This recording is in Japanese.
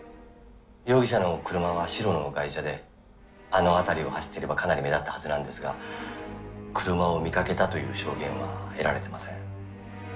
容疑者の車は白の外車であの辺りを走っていればかなり目立ったはずなんですが車を見かけたという証言は得られてません。